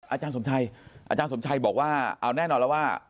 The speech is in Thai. อาจารย์สมชัยอาจารย์สมชัยบอกว่าเอาแน่นอนแล้วว่า